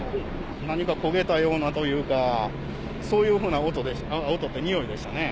何か焦げたようなというか、そういうふうな音っていうか、においでしたね。